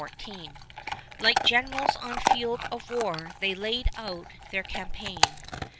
Like generals on field of war they laid out their campaign.